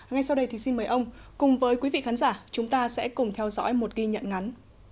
ngay sau đây thì xin mời ông cùng với quý vị khán giả chúng ta sẽ cùng theo dõi một ghi nhận ngắn